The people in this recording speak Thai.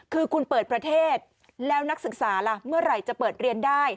คือคุณเปิดประเทศแล้วนักศึกษาล่ะเมื่อไหร่จะเปิดเรียนได้